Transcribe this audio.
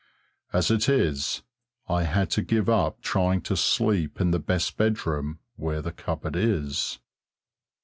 As it is, I had to give up trying to sleep in the best bedroom where the cupboard is.